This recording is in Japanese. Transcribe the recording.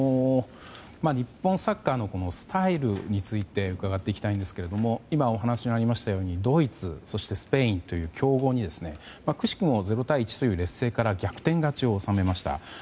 日本サッカーのスタイルについて伺っていきたいんですけども今、お話がありましたようにドイツ、スペインという強豪にくしくも０対１という劣勢から逆転勝ちを収めました。